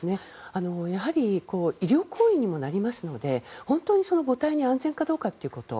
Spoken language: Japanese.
やはり医療行為にもなりますので本当に母体が安全かどうかということ。